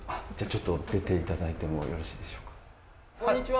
じゃあ出ていただいてもよろしいでしょうか？